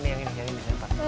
yang ini yang ini